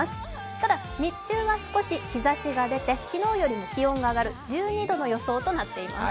ただ日中は少し日ざしが出て昨日よりも気温が上がり１２度の予想となっています。